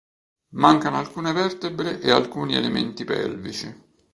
Mancano alcune vertebre e alcuni elementi pelvici.